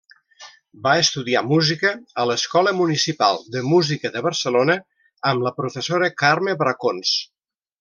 Va estudiar música a l'Escola Municipal de Música de Barcelona, amb la professora Carme Bracons.